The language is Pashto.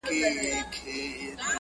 له خپل نیکه او انا سره اوسې